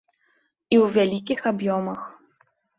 І ў вялікіх аб'ёмах.